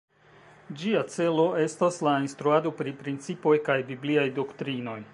Ĝia celo estas la instruado pri principoj kaj bibliaj doktrinoj.